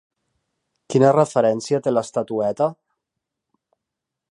Quina referència té l'estatueta?